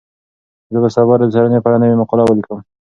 زه به سبا د رسنیو په اړه نوې مقاله ولیکم.